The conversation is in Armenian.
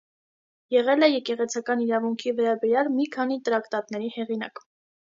Եղել է եկեղեցական իրավունքի վերաբերյալ մի քանի տրակտատների հեղինակ։